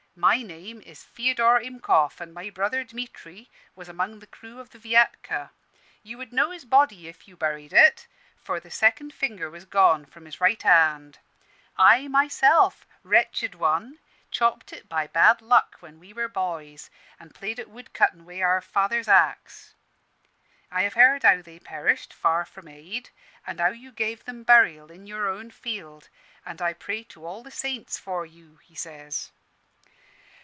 My name is Feodor Himkoff, an' my brother Dmitry was among the crew of the Viatka. You would know his body, if you buried it, for the second finger was gone from his right hand. I myself wretched one! chopped it by bad luck when we were boys, an' played at wood cuttin' wi' our father's axe. I have heard how they perished, far from aid, and how you gave 'em burial in your own field: and I pray to all the saints for you,' he says.